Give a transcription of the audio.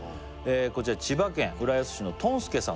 こちら千葉県浦安市のとんすけさん